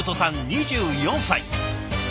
２４歳。